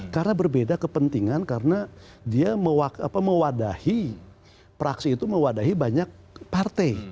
karena berbeda kepentingan karena dia mewadahi praksi itu mewadahi banyak partai